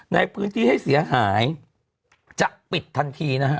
ในพื้นที่ให้เสียหายจะปิดทันทีนะฮะ